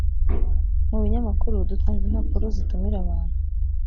mu binyamakuru dutanga impapuro zitumira abantu